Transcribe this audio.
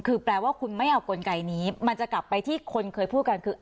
คือแปลว่าคุณไม่เอากลไกนี้มันจะกลับไปที่คนเคยพูดกันคือ